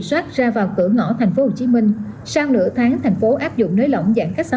soát đã vào cửa ngõ thành phố hồ chí minh sau nửa tháng thành phố áp dụng nới lỏng giãn cách xã